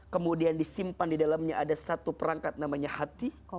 kemudian disimpan di dalamnya ada satu perangkat namanya hati